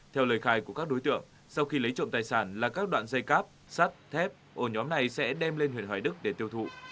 theo lời khai của các đối tượng sau khi lấy trộm tài sản là các đoạn dây cáp sắt thép ổ nhóm này sẽ đem lên huyện hoài đức để tiêu thụ